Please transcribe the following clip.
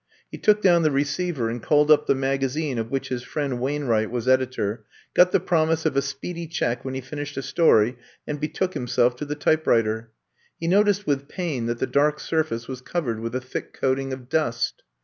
" He took down the receiver and called up the magazine of which his friend Wain wright was editor, got the promise of a speedy check when he finished a story and betook himself to the typewriter. He no ticed with pain that the dark surface was covered with a thick coating of dust.